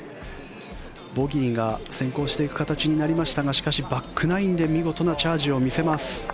ボギーが先行していく形になりましたがしかし、バックナインで見事なチャージを見せます。